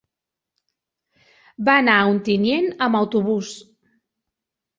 Va anar a Ontinyent amb autobús.